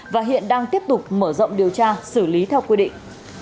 và hiện đang tiếp tục mở rộng điều tra xử lý theo quy định